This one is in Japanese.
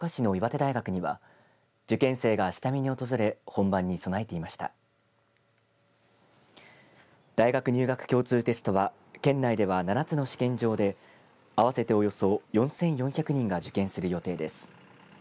大学入学共通テストは県内では７つの試験場で合わせて、およそ４４００人が受験する予定です。